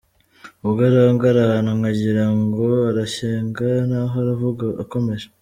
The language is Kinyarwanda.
Ubwo aranga arahana nkagira ngo arashyenga naho aravuga akomeje.